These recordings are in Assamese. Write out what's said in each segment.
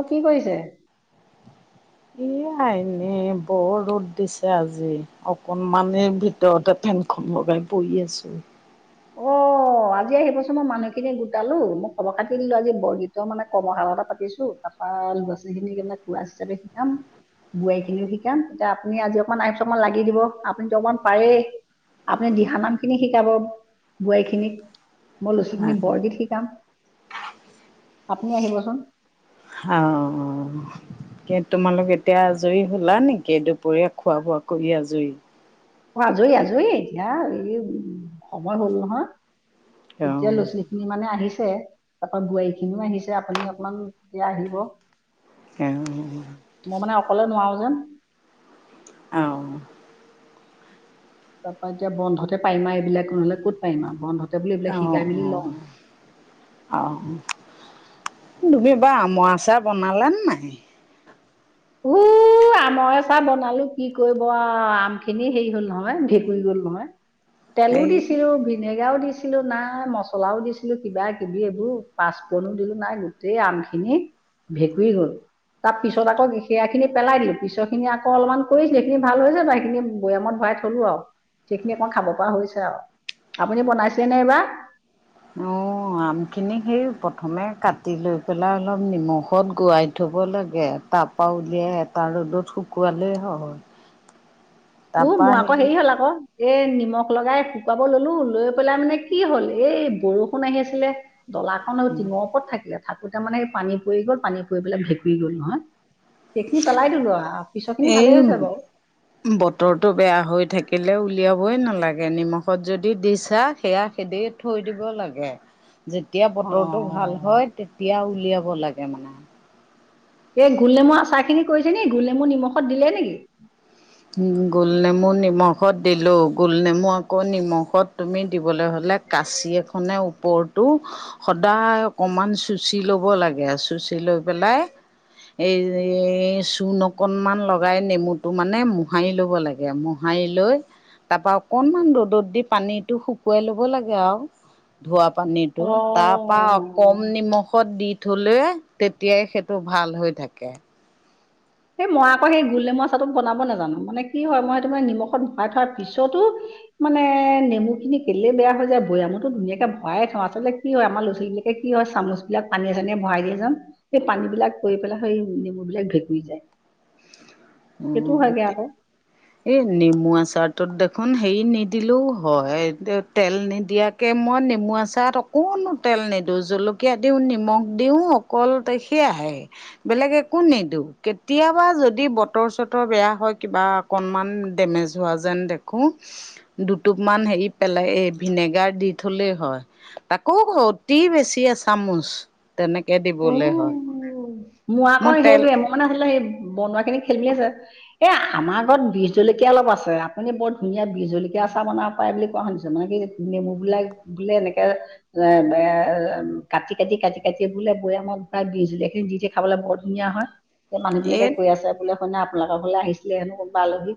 অঁ! কি কৰিছে? [inaudible] এইয়া [unintelligible] এ [inaudible] এনেই বৰ ৰ'দ দিছে আজি অকনমান এই ভিতৰতে ফেন খন লগাই পৰি আছোঁ। [unintelligible] অ! [inaudible] অ! আজি আহিব ছোন মই মানুহখিনি গোটালো মই খবৰ- খাটি দিলো আজি বৰগীতৰ মানে কৰ্মশালা এটা পাতিছো তা [inaudible] আহ ল'ৰা-ছোৱালীখিনিক মানে কুৰাছ হিচাপে শিকাম। বোৱাৰীখিনিকো শিকাম। এতিয়া আপুনি আজি অকণমান আহিব চোন অকমান লাগি দিব আপুনিতো অকণমান পাৰেই। [inaudible] আপুনি দিহানাম খিনি শিকাব। [inaudible] বোৱাৰী খিনিক। মই লৰা-ছোৱালীখিনিক বৰগীত শিকাম। [inaudible] আপুনি আহিব চোন [inaudible] অঁ! [unintelligible] অঁ। [inaudible] তোমালোক এতিয়া আজৰি হ'লা নেকি? দুপৰীয়া খোৱা-বোৱা কৰি আজৰি? [unintelligible] অ আজৰি-আজৰি এতিয়া এই উম সময় হ'ল অ নহয়। এতিয়া লৰা-ছোৱালী [inaudible] খিনি মানে আহিছে্ তাৰপৰা বোৱাৰীখিনিও আহিছে আপুনি অকমান এতিয়া আহিব। [inaudible] [unintelligible] মই মানে অকলে নোৱাৰো যেন। [inaudible] অঁ! [unintelligible] তাৰপৰা এতিয়া বন্ধতে পাৰিম আৰু এইবিলাক নহ'লে ক'ত পাৰিম, বন্ধতে বুলি অ এইবিলাক শিকাই মেলি লওঁ। [inaudible] অ অ! তুমি এইবাৰ আমৰ আচাৰ বনালা নে নাই? [unintelligible] উউউ। [inaudible] [inaudible] আমৰ আচাৰ বনালো কি কৰিব আৰু আমখিনি হেৰি হ'ল নহয় ভেঁকুৰি গল নহয়। [unintelligible] তেলো এই দিছিলো ভিনেগাৰও দিছি দিছিলো নাই মচলাও দিছিলো কিবা - কিবি এইবোৰ পাঁচফুৰণ দিলো নাই গোটেই আম খিনি। ভেকুঁৰী গ'ল, তাৰ পিছত আকৌ যি বেয়া খিনি পেলাই দিলো পিছৰ খিনি আকৌ অলপমান কৰিছিলো সেইখিনি ভাল হৈছে বাৰু সেইখিনি বৈয়ামত ভৰাই থলো আৰু। সেইখিনি অকমান খাব পৰা হৈছে আৰু আপুনি বনাইছিলে নে এইবাৰ? অ' আমখিনি সেই প্ৰথমে কাটি লৈ পেলাই অলপ নিমখত গোৰাই ধুব লাগে তাৰপৰা উলিয়াই এটা ৰ'দত শুকুৱালে হয়। উ, তাৰপা মোৰ আকৌ সেই হেৰি হ'ল আকৌ। এ' নিমখ লগাই শুকুৱাব ললো লৈ পেলাই মানে কি হ'ল এই বৰষুণ আহি আছিলে ডলাখন আৰু টিঙৰ ওপৰত থাকিলে থাকোতে মানে পানী পৰি গ'ল পানী পৰি পেলাই ভেঁকুৰি গ'ল নহয়। সেইখিনি পেলাই দিলো আৰু পিছৰ খিনি এই ভালেই হৈছে বাৰু। বতৰটো বেয়া হৈ থাকিলে উলিয়াবই নালাগে নিমখত যদি দিছা সেয়া এনেই থৈ দিব লাগে। যেতিয়া বতৰটো ভাল অঁ হয় তেতিয়া উলিয়াব লাগে মানে। এই গোলনেমু আচাৰ খিনি কৰিছে নি? গোলনেমু নিমখত দিলে নেকি? গোলনেমু নিমখত দিলোঁ, গোলনেমু আকৌ নিমখত তুমি দিবলৈ হ'লে কাঁচি এখনে ওপৰটো সদায় অকনমান চুচি লব লাগে চুচি লৈ পেলাই এই, চূণ অকণমান লগাই নেমুটো মানে মোহাৰি ল'ব লাগে মোহাৰি লৈ তাৰ পৰা অকণমান ৰ'দত দি পানীটো শুকুৱাই ল'ব লাগে আৰু। ধোৱা পানীটো তাৰপা অঁ কম নিমখত দি থলে তেতিয়াই সেইটো ভাল হৈ থাকে। সেই মই আকৌ সেই গোল নেমু আচাৰটো বনাব নাজানো মানে কি হয় মই সেইটো মানে নিমখত শুখাই থোৱাৰ পিছতো মানে নেমু খিনি কেলেই বেয়া হৈ যায় বৈয়ামুতো ধুনীয়াকে ভৰায়ে থওঁ আচলতে কি হয় আমাৰ লৰা ছোৱালী বিলাকে কি হয় চামুচ বিলাক পানীয়ে চানীয়ে ভৰাই দিয় যাম সেই পানী বিলাক গৈ পেলাই সেই নেমু বিলাক ভেঁকুৰি যায়। সেইটো উম। হয়গৈ আকৌ এই নেমু আচাৰটোত দেখোন হেৰি নিদিলেও হয় তেল নিদিয়াক তাকে মই নেমু আচাৰত অকণো তেল নিদিওঁ জলকীয়া দিওঁ নিমখ দিওঁ কল সেয়াহে, বেলেগ একো নিদিওঁ কেতিয়াবা যদি ব বতৰ - চতৰ বেয়া হয় কিবা অকনমান ডেমেজ হোৱা যেন দেখো দুটোপ মান হেৰি পেলাই এই ভিনেগাৰ দি থলেই হয়। তাকৌ অতি বেছি এ চামুচ। তেনেকৈ দিবলৈ হয় উম মোৰ আকৌ মই তেল সেইটোৱে মই মানে আচলতে সেই বনোৱা খিনি খেলমি আছে। এই আমাৰ ঘৰত বিজ জলকীয়া অলপ আছে আপুনি বৰ ধুনীয়া বজ জলকীয়া চাহ বনাব পায় বুলি কোৱা শুনিছো মানে কি নেমু বিলাক বোলে এনেকে এ এ কাটি কাটি কাটি কাটি বোলে বৈআমত ঘৰা দিো এইখিনি দি দি খাবলৈ বৰ ধুনীয়া হয় সেই মানুহ বিলাকে কৈ আছে [inaudible] বোলে শুনে আপোনালোকৰ ঘাললে আহিছিলে হেনো কোনোবা আলহী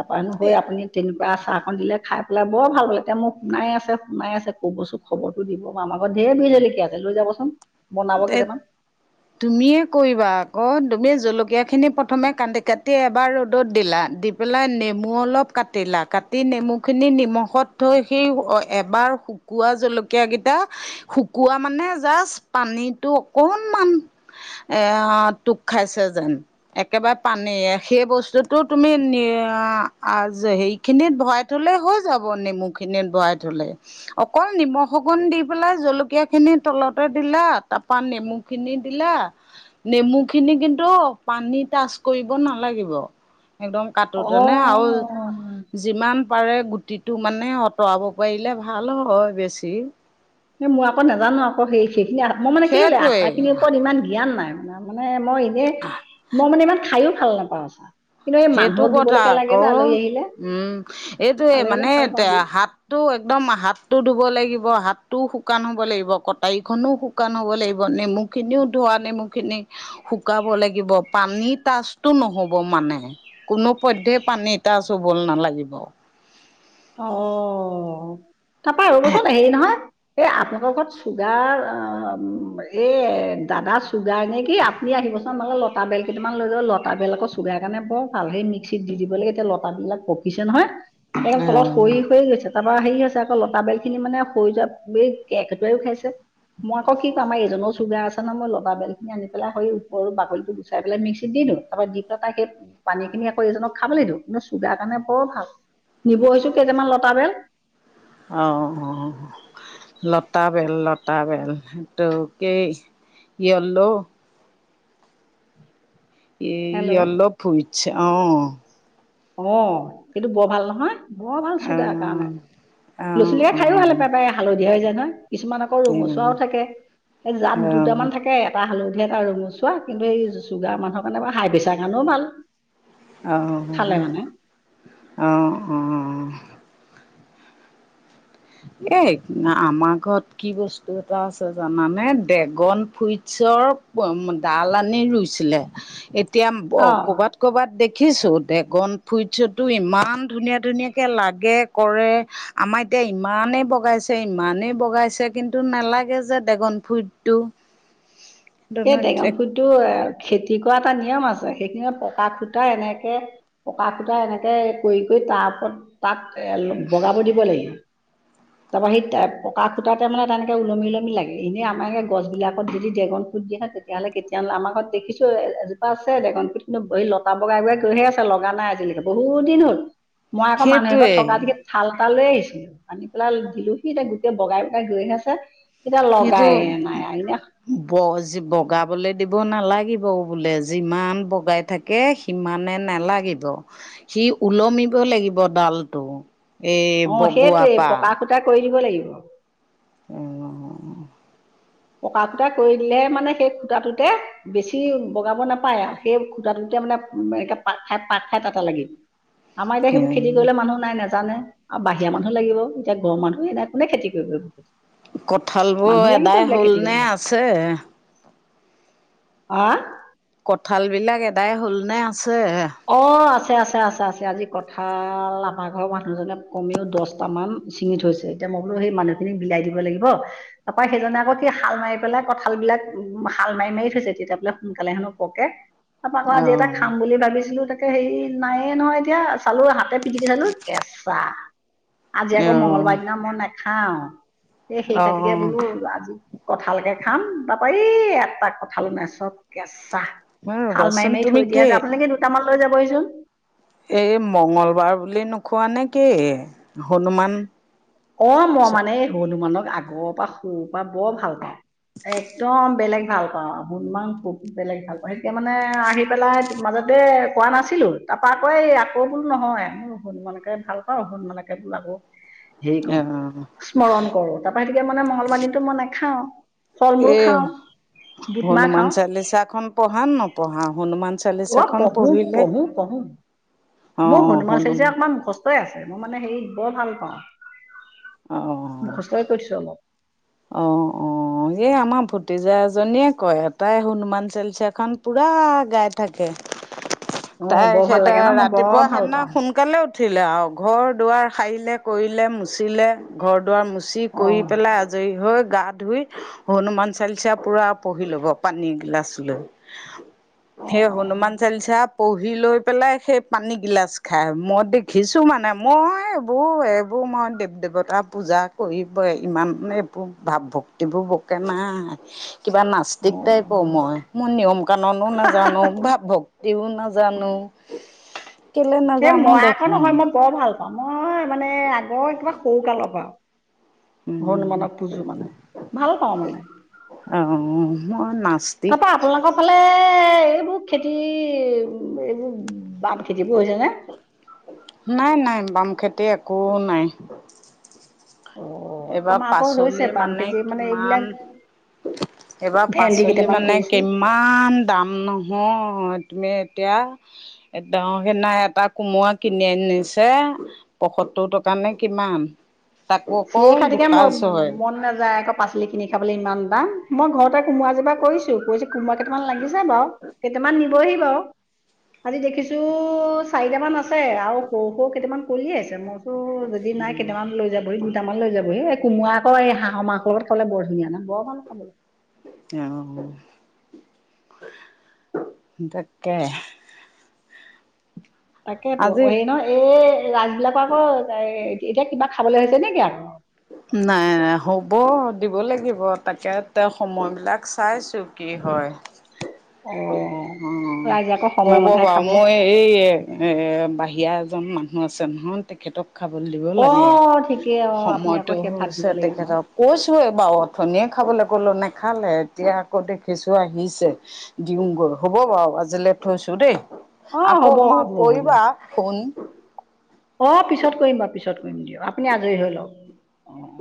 তাৰপৰানো হৈ আপুনি তেনেকুৱা আচাৰকন দিলে খাই পেলাই বৰ ভাল পালে এতিয়া মোক শুনাই আছে শুনাই আছে ক'ব চোন খবৰটো দিব আমাৰ ঘৰত ঢেৰ বিল জলকীয়া আছে লৈ যাবচোন বনাব কেইটামান। [inaudible] তুমিয়ে কৰিবা আকৌ তুমি জলকীয়াখিনি প্ৰথমে কাটি - কাটি এবাৰ ৰ'দত দিলা পেলাই নেমু অলপ কাটিলা কাটি নেমু খিনি নিমখত থৈ সি এবাৰ শুকোৱা জলকীয়াকেইটা শুকোৱা মানে জাষ্ট পানীটো অকণমান এয়া টোক খাইছে যেন। একেবাৰে পানেই সেই বস্তুটো তুমি হেৰি খিনিত ভৰাই থ'লে হৈ যাব নেমু খিনিত ভৰাই থ'লে। অকল নিমখ অকণ দি পেলাই জলকীয়া খিনি তল'তে- দিলা তাৰপা নেমু খিনি দিলা। নেমু খিনি কিন্তু পানী টাচ কৰিব নালাগিব একদম। অ কাটোতে নে আৰু- যিমান পাৰে গুটিটো মানে আঁতৰাব পাৰিলে ভাল হয় বেছি। এই মই আকৌ নাজানো আক। সেই সেইখিনি মই মানে কি হ'লে আচাৰ খিনিৰ সেইটোৱেই ওপৰত ইমান জ্ঞান নাই। মানে মানে মই এনেই মই মানে ইমান খাইও ভাল নাপাওঁ। আচাৰ কিন্তু এই সেইটো মানুহক কথা দিবলৈকে লাগে যে আকৌ। আলহী আহিলে উমঁ এইটোৱেই আলহী আহিলে মানে ভাল পাওঁ দি হাত- টো একদম হাতটো ধুব লাগিব, হাতটোও শুকান হ'ব লাগিব, কটাৰী খনো শু- কান হ'ব লাগিব। নেমুখিনিও ধোৱা নেমুখিনি- শুকাব লাগিব, পানী তাচটো নহ'ব মানে। কোনো পধ্যয়েই পানী টাচ্ছ চুবলৈ নালাগিব। অহ', - তাপা ৰবচোন হেৰি নহয়- এ' আপোনালোকৰ ঘৰত চুগাৰ অঁহ', এ' দাদা - চুগাৰ নে কি আপুনি আহিব চোন মানে। লতা বেল কেইটামান লৈ যাব। লতা বেল চুগাৰ কাৰণে বৰ ভাল, সেই মিক্সিত দি দিব লাগে, এতিয়া লতা বিলাক পকিছে নহয়। অঁহ। হৈ গৈছে, তাৰপৰা হেৰি হৈছে আকৌ লতা বেলখিনি মানে হৰি যোৱা কেৰকেটোৱাইও খাইছে। মই আকৌ কি কম আমাৰ এজোপা চুগাৰ আছে ন মই লবা বেল খিনি আনি পেলাই ওপৰৰ বাকলটো গু- চাই পেলাই মিক্সিত দি দিওঁ, তাৰপৰা দি পেলাই তাই সেই পানীখিনি আকৌ এজনক খাবলৈ দিওঁ, কিন্তু চুগাৰ কাৰণে বৰ ভাল। নিবহিচোন কেইটামান লতা বেল। অঁহ', -অঁহ', -অঁহ', -। লতা বেল, লতা বেল। সেইটো কি ইয়েলৌ- ই হেল্ল' ইয়েলৌ ফুটছ অঁহ। অঁহ', - সেইটো বৰ ভাল নহয় বৰ ভাল অঁ চুগাৰ কাৰণে। অঁ লৰা-ছোৱালীয়ে খাই ভাল অঁ পাই হালধীয়া হৈ যায় নহয় কিছুমান। আকৌ ৰঙচুৱাও অ', থাকে এই অ', জাত দুটামান থাকে। এটা হালধি এটা ৰঙোচুৱা কিন্তু এই চুগাৰ মানুহৰ কাৰণে হাই প্ৰেছাৰ কাৰণেও ভাল। অঁহ', খালে মানে - অহ', -অঁহ', -অঁহ', -। এ' আমাৰ ঘৰত কি বস্তু এটা আছে জানানে ড্ৰেগন ফ্ৰুইটছৰ- ডাল আনি ৰুইছিলে। এতিয়া অ কৰ'বাত- ক'ৰবাত দেখিছোঁ ড্ৰেগন ফ্ৰুইটছৰ ইমান ধুনীয়া ধুনীয়াকৈ লাগে কৰে। আমাৰ- এতিয়া ইমানেই বগাইছে, ইমানেই বগাইছে, কিন্তু নালাগে যে ড্ৰেগন ফ্ৰুইটছটো। [inaudible] এই ড্ৰেগন ফ্ৰুইটছ এ' খেতি কৰা এটা নিয়ম আছে, সেইখিনি পকা খুটা এনেকে- পকা খুটাত এনেকে কৰি-কৰি তাৰ ওপৰত তাক এ' বগাব দিব লাগিব। তাৰপৰা সি পকা সূতাতে মানে তেনেকে ওলমি-ওলমি লাগে। এনেই আমাৰ এইে গছ বিলাকত যদি ড্ৰেগন দিয়া তেতিয়াহ'লে আমাৰ ঘৰত দেখিছো এজোপ আছে, কিন্তু এই লতা বগাই-বগাই গৈ'হে আছে লগা নাই। বহুত দিন হ'ল। মই আকৌ মানুহ এঘৰত সেইটোৱে থকা দি- থাল-তাল লৈ আহিছিলো, আনি পেলাই দিলোহি এতিয়া গোটেই বগাই-বগাই গৈ'হে আছে। এতিয়া লগায়ে নাই আইনা। বজ বগাবলৈ দিব দিব নালাগিব বোলে, যিমান বগাই থাকে সিমানে নালাগিব। সি ওলমিব লাগিব ডালটো, এই বগোৱাপা। টা কৰি দিব লাগিব। [unintelligible] পকা খুঁটা কৰি দিলেহে মানে সেই খুটাটোতে বেছি বগাব নাপায়, সেই খুটাটোতে মানে এ, পাত খাই পাত খাই তাটা লাগিল। [inaudible] আমাৰ এতিয়া সেইবোৰ খেতি কৰিলে মানুহ নাই নাজানে। আৰু বাহিৰা মানুহ লাগিব, এতিয়া ঘৰ মানুহে নাই কোনে খেতি কৰিব [unintelligible] কঁঠালবোৰ মানুহ এদায় [unintelligible] খেতি কৰিবলে, আ কঁঠালবিলাক এদাই হ'লনে আছে? অ' আছে আছে আছে আছে। আজি কঁঠাল আমাৰ ঘৰৰ মানুহজনে কমেও দহটামান চিঙি থৈছে, এতিয়া মই বোলো সেই মানুহখিনিক বিলাই দিব লাগিব তাৰপৰা সেইজনে আকৌ সে হাল মাৰি পেলাই কঁঠালবিলাক উ, হাল মাৰি মাৰি থৈছে, তেতিয়া বুলে সোনকালে হেনো পকে। তাৰপা আকৌ অ আজি এটা খাম বুলি ভাবিছিলোঁ, তাকে হেৰি নায়ে নহয় এতিয়া। চালোঁ, হাতে পিটিকি চালোঁ কেঁচা, আজি অ আকৌ মঙ্গলবাৰ দিনা মই নাখাওঁ। এ, সেই অ খাতিকে বুলো আজি কঁঠাল কে খাম, তাপা এই এটা কঁঠাল না চব কেঁচা। হাল মাৰি ৰ'বাচোন মাৰি তুমি থৈ দিয়া কি আছে, আপোনালোকে দুটামান লৈ যাবহিচোন। এই মংগলবাৰ বুলি নোখোৱা নেকি হনুমান অ' মই মানে এই হনুমানক আগৰপা সৰুৰ পৰা বৰ ভাল পাওঁ। একদম বেলেগ ভাল পাওঁ, হনুমান খুব বেলেগ ভাল পাওঁ, সেইতি মানে আহি পেলাই মাজতে কোৱা নাছিলো তাৰপা আকৌ এই আকৌ বোলো নহয় হনুমানকে ভাল পাওঁ, হনুমানকে বুলে আকৌ সেই ক অ স্মৰণ কৰোঁ, তাৰপা হেতিকে মানে মংগলবাৰ দিনটো মই নেখাওঁ, ফল মূল খাওঁ। বুটমাহ খাওঁ। লিচাখন পঢ়া নে নপঢ়া হনুমান অ' চালিচাখন পঢ়ো, পঢ়িলে পঢ়ো পঢ়ো, অ মোৰ অ হনুমান হনু চাই যে অকমান মুখস্থ [unintelligible] আছে মই মানে হেৰি বৰ ভাল পাওঁ অ'। মুখস্তই কৰিছোঁ অলপ। অ', অ'। অ' এই আমাৰ ভতিজা এজনীয়ে কয়, এটাই হনুমান চালচাখন পুৰা গাইড থাকে, অ তাই বৰ সেই ভাল লাগে ন মই বৰ ৰাতিপুৱা ভাল সেদিনা পাওঁ সোন সোনকালে উঠিলে আৰু ঘৰ দুৱাৰ সাৰিলে, কৰিলে, মুচিলে, ঘৰ দুৱাৰ চি অ কৰি পেলাই আ ৰি হৈ, গা ধুই, হনুমান চালচা পুৰা পঢ়ি ল'ব পানী গিলাচ লৈ। অ হেই হনুমান চালিচা পঢ়ি লৈ পেলাই সেই পানী গিলাচ খায়, মই দেখিছোঁ মানে, মই এইবো এই [unintelligible] দেৱ দেৱতাৰ পূজা কৰিবই ইমানে ভাৱ ভক্তিবোৰ বকে নাই কিবা অ নাস্তিক টাইপৰ মই। মই নিয়ম কানুনো নাজানো, ভাৱ ভক্তিও নাজানো। কেলে সেই নাজানো মই আকৌ দেখোন। নহয় মই বৰ ভাল পাওঁ মই মানে আগৰ কিবা সৰু কালৰ পৰা। হনুমানক পূজো মানে, ভাল পাওঁ মানে। আও মই নাচ কাপাপ আপোনাকৰ ফালে এইবোৰ খেতি এইবোৰ বাপ খেতিবোৰ হৈছেনে? নাই নাই বাম খেতি একো নাই। অ এইবাৰ আমাৰ আকৌ হৈছে পাচলি বাম মানে খেতি কিমান এইবিলাক এইবাৰ ভেন্দি পাচলি কেইটামান মানে কৰিছো কিম ইমান দাম নহয়, তুমি এতিয়া এডাঙৰ সিনা এটা কোমোৰা কিনি আনিছে পয়সতৰ টকা নে কিমান তাক চি খাটিকে মই মন নাযায় একপ পাচলি কিনি খাবলৈ ইমান দাম, মই ঘৰতে কোমোৰা জোপা কৰিছো কৰি কোমোৰা কেইটামান লাগিছে বাৰু, কেইটামান নিবহি বাৰু। আজি দেখিছো চাৰিটামান আছে আৰু সৰু সৰু কেইটামান কৰিয়ে আছে মোৰ ত যদি নাই কেইটামান লৈ যাবহি কেইটান লৈ যাব সি এই কোমৰা আকৌ এই হাঁৰ মাংস লগত খাবলে বৰ ধুনীয়া ন বৰ ভাল [unintelligible] তেঁও তাকে তাকেইেতো, আজি হেৰি নহয় এই ৰাজ বিলাকৰ আকৌ এ এতিয়া কিবা খাবলৈ হৈছে নেকি আকৌ? নাই হ'ব দিব লাগিব তাকে তেওঁ সময়বিলাক চাইছো কি হয়। অঁ। অ হ'ব বাওঁ মই এই এ বাহিৰা এজন মানুহ আছে নহয় তেখেতক খাবলৈ দিব অ লাগে ঠিকেই অ আপুনি আকৌ সময়তটো সেই ভাত হৈছে দিব লাগিব নহয় তেখেতক কৈছো এ বাৰু অথনিয়ে খাবলৈ ক'লো নাখালে এতিয়া আকৌ দেখিছো আহিছে। দিওঁগৈ হ'ব বাৰু আজিলৈ থৈছো দেই, অ হ'ব আকৌমান হ'ব হ'ব কৰিবা ফোন। অ পিছত কৰিম বা পিছত কৰিম দিয়ক আপুনি আজৰি হৈ লওক। অ অ।